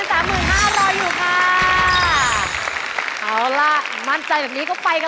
ขอล้ำผิด